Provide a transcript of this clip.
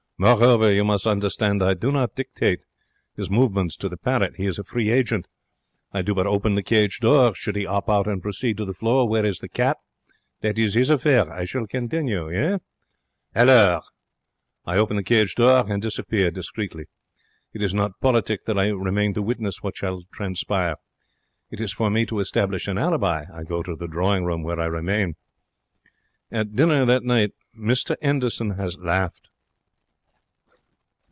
Moreover, you must understand, I do not dictate his movements to the parrot. He is free agent. I do but open the cage door. Should he 'op out and proceed to the floor where is the cat, that is his affair. I shall continue, yes?' Alors! I open the cage door and disappear discreetly. It is not politic that I remain to witness what shall transpire. It is for me to establish an alibi. I go to the drawing room, where I remain. At dinner that night Mr 'Enderson has laughed.